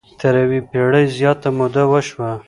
تر یوې پېړۍ زیاته موده وشوه.